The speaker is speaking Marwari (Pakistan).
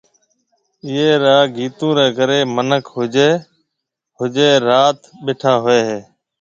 ايئي راگ گيتون ري ڪري منک ۿجي ۿجي رات ٻيٺا هوئي هي